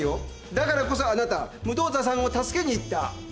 だからこそあなた武藤田さんを助けに行った！